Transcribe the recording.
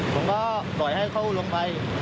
ผมก็ปล่อยให้เขาลงไป